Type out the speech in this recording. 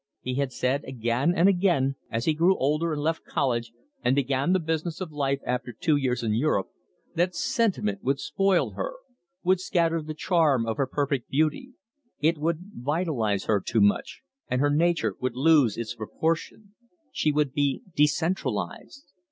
He had said again and again, as he grew older and left college and began the business of life after two years in Europe, that sentiment would spoil her, would scatter the charm of her perfect beauty; it would vitalise her too much, and her nature would lose its proportion; she would be decentralised!